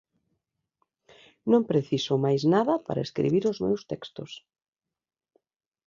Non preciso máis nada para escribir os meus textos.